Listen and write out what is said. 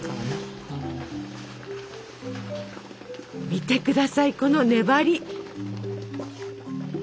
見て下さいこの粘り！